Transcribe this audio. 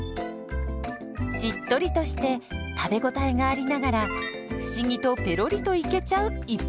しっとりとして食べ応えがありながら不思議とペロリといけちゃう逸品です。